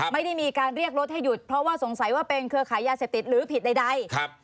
ไม่ได้มีการเรียกรถให้หยุดเพราะว่าสงสัยว่าเป็นเครือขายยาเสพติดหรือผิดใด